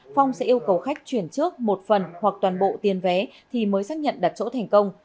phong sẽ yêu cầu khách chuyển trước một phần hoặc toàn bộ tiền vé thì mới xác nhận đặt chỗ thành công